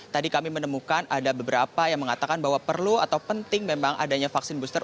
tadi kami menemukan ada beberapa yang mengatakan bahwa perlu atau penting memang adanya vaksin booster